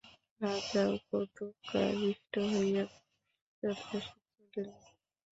রাজাও কৌতুকাবিষ্ট হইয়া পশ্চাৎ পশ্চাৎ চলিলেন।